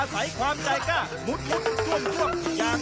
คุณเอ็ดหว่ากรอยมีอากาศมือเย็นก่อนด้วย